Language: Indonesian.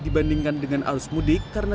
dibandingkan dengan arus mudik karena